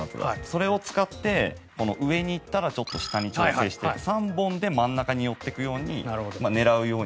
それを使って上にいったらちょっと下に調整して３本で真ん中に寄っていくように狙うようにすると。